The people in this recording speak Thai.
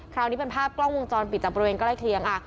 คราวนี้เป็นภาพกล้องวงจรปิดจากบริเวณใกล้เคียง